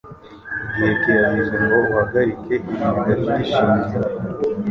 Igihe kirageze ngo uhagarike ibi bidafite ishingiro.